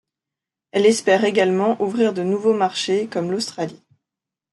Elle espère également ouvrir de nouveaux marchés, comme l'Australie.